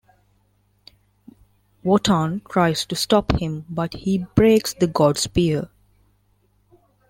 Wotan tries to stop him but he breaks the God's spear.